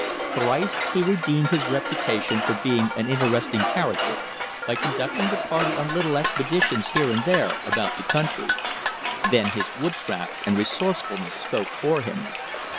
Thrice he redeemed his reputation for being an interesting character by conducting the party on little expeditions here and there about the country. Then his woodcraft and resourcefulness spoke for him.